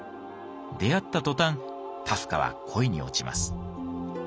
出会った途端カフカは恋に落ちます。